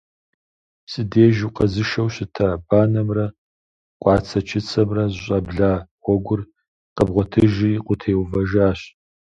Си деж укъэзышэу щыта, банэмрэ къуацэ-чыцэмрэ зэщӀабла гъуэгур къэбгъуэтыжри, укъытеувэжащ.